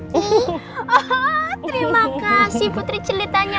terima kasih putri celitanya